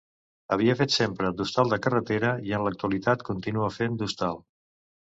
Havia fet sempre d'hostal de carretera, i en l'actualitat continua fent d'hostal.